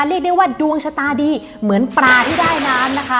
เรียกได้ว่าดวงชะตาดีเหมือนปลาที่ได้น้ำนะคะ